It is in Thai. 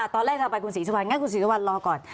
ตอนแรกเราไปคุณศรีสะวันงั้นคุณศรีสะวันรอก่อน